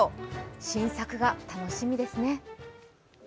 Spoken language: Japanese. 新作が楽しみですね。